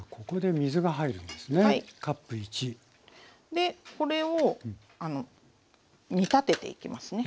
でこれを煮立てていきますね。